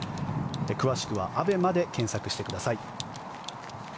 詳しくは「アベマ」で検索してください。